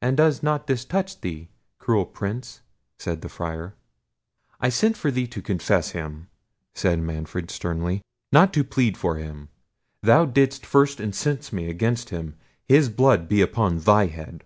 "And does not this touch thee, cruel Prince?" said the Friar. "I sent for thee to confess him," said Manfred, sternly; "not to plead for him. Thou didst first incense me against him—his blood be upon thy head!"